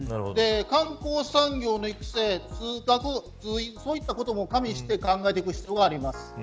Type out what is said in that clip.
観光産業の育成通学、通勤といったことも加味して考えていく必要があります。